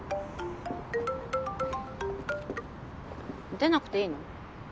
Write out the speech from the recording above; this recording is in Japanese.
出なくていいの？